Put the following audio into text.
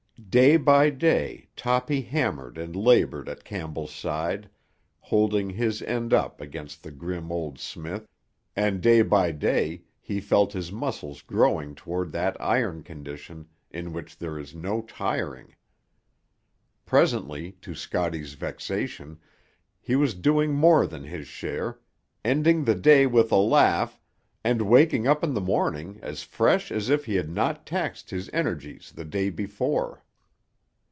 Day by day Toppy hammered and laboured at Campbell's side, holding his end up against the grim old smith, and day by day he felt his muscles growing toward that iron condition in which there is no tiring. Presently, to Scotty's vexation, he was doing more than his share, ending the day with a laugh and waking up in the morning as fresh as if he had not taxed his energies the day before.